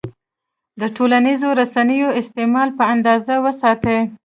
د ټولنیزو رسنیو استعمال په اندازه وساتئ.